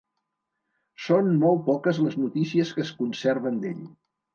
Són molt poques les notícies que es conserven d'ell.